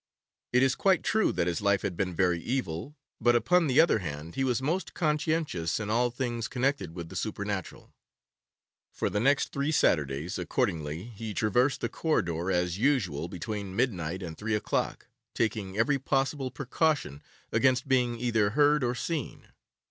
It is quite true that his life had been very evil, but, upon the other hand, he was most conscientious in all things connected with the supernatural. For the next three Saturdays, accordingly, he traversed the corridor as usual between midnight and three o'clock, taking every possible precaution against being either heard or seen.